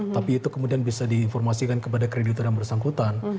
tapi itu kemudian bisa diinformasikan kepada kreditor yang bersangkutan